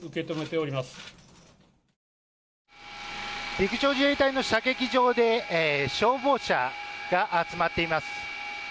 陸上自衛隊の射撃場で消防車が集まっています。